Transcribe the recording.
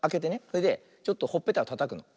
それでちょっとほっぺたをたたくの。